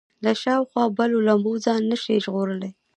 له شاوخوا بلو لمبو ځان نه شي ژغورلی.